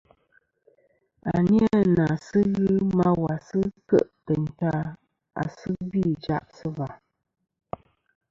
À ni a nà sɨ ghɨ ma wà sɨ kêʼ tèyn ta à sɨ gvî ìjaʼ sɨ và.